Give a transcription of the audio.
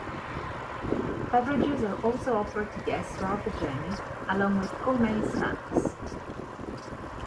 Beverages are also offered to guests throughout the journey, along with gourmet snacks.